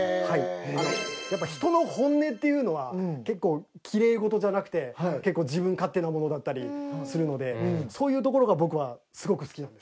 やっぱ人の本音っていうのは結構きれい事じゃなくて結構自分勝手なものだったりするのでそういうところが僕はすごく好きなんです。